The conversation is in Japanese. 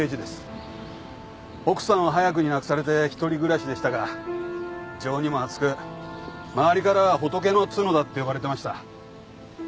奥さんを早くに亡くされて一人暮らしでしたが情にも厚く周りからは「仏の角田」って呼ばれてました。